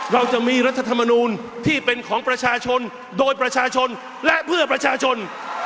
เราจะมีรัฐธรรมนูลที่เป็นของประชาชนโดยประชาชนและเพื่อประชาชน